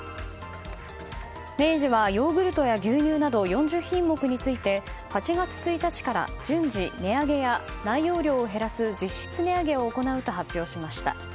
明治はヨーグルトや牛乳など４０品目について８月１日から順次、値上げや内容量を減らす実質値上げを行うと発表しました。